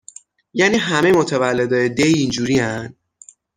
یعنی همه متولدای دی اینجورین؟